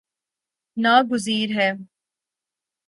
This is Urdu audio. نا گزیر ہے